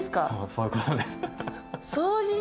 そういうことです。